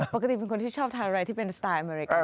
ปกติเป็นคนที่ชอบทานอะไรที่เป็นสไตล์อเมริกา